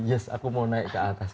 yes aku mau naik ke atas